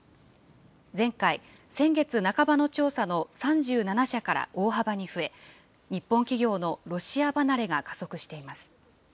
前回、先月半ばの調査から３７社から大幅に増え、日本企業のロシア離れが加速しています。